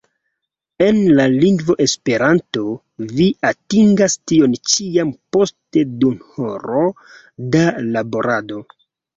En la lingvo Esperanto vi atingas tion ĉi jam post duonhoro da laborado!